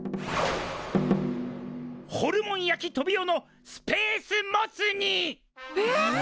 ホルモン焼きトビオのスペースモツ煮！えっ！？